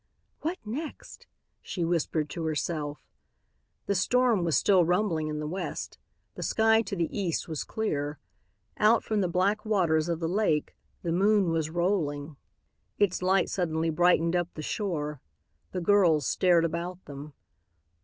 "What next?" she whispered to herself. The storm was still rumbling in the west. The sky to the east was clear. Out from the black waters of the lake the moon was rolling. Its light suddenly brightened up the shore. The girls stared about them.